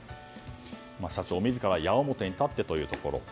社長自ら矢面に立ってというところ。